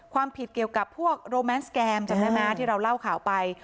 ความผิดเกี่ยวกับพวกโรแมนสแกมจำได้ไหมที่เราเล่าข่าวไป